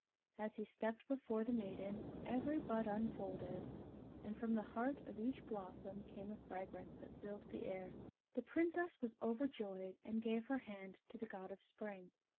As he stepped before the maiden, every bud unfolded, and from the heart of each blossom came a fragrance that filled the air. The Princess was overjoyed, and gave her hand to the God of Spring.